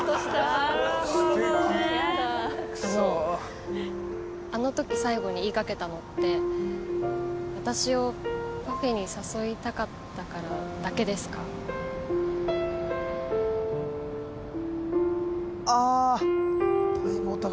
あのあの時最後に言いかけたのって私をパフェに誘いたかったからだけですか？ああ。